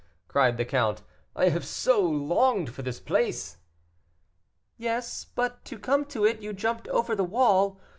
cried the count. "I have so longed for this place." "Yes, but to come to it, you jumped over the wall.